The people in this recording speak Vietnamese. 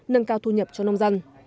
nâng cao thu nhập cho nông dân